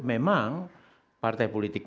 memang partai politik